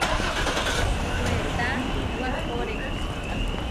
Puetá wahóre.